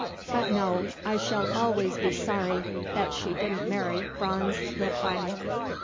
But no; I shall always be sorry that she didn't marry Franz Lippheim."